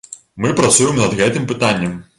Мы працуем над гэтым пытаннем.